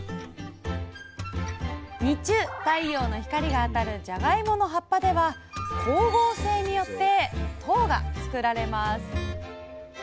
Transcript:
日中太陽の光が当たるじゃがいもの葉っぱでは光合成によって糖が作られます。